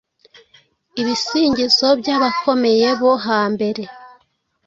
ibisingizo by’abakomeye bo hambere,